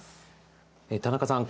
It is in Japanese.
田中さん